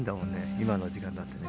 今の時間だってね。